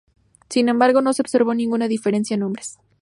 Sin embargo, no se observó ninguna diferencia en hombres.